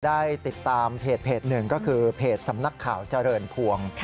ได้ติดตามเพจหนึ่งก็คือเพจสำนักข่าวเจริญภวง